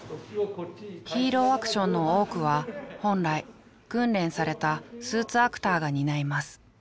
ヒーローアクションの多くは本来訓練されたスーツアクターが担います。